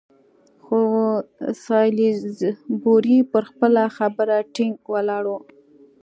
خو سالیزبوري پر خپله خبره ټینګ ولاړ وو.